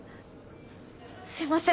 すいません